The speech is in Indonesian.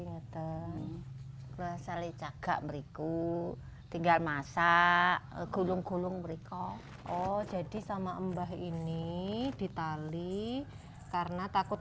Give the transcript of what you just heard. misalnya jaga beriku tinggal masa gulung gulung beriko oh jadi sama mbah ini di tali karena takut